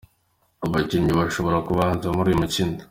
Abakinnyi bashobora kubanza muri uyu mukino:.